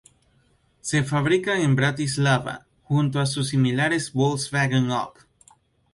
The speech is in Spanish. Se fabrica en Bratislava, junto a sus similares Volkswagen up!